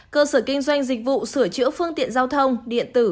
cơ sở kinh doanh dịch vụ sửa chữa phương tiện giao thông điện tử